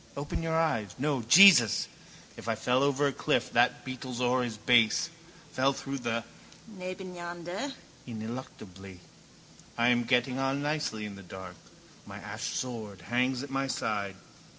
Open your eyes. No. Jesus! If I fell over a cliff that beetles o'er his base, fell through the nebeneinander ineluctably! I am getting on nicely in the dark. My ash sword hangs at my side.